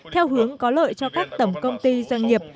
theo hướng có lợi cho các tổng công ty doanh nghiệp